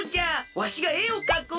わしがえをかこう。